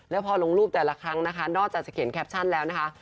แล้วพอลงรูปแต่ละครั้งนะคะนอกจากจะเขียนแคปชั่นแล้วนะคะ